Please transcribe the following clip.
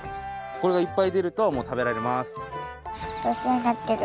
これがいっぱい出るともう食べられます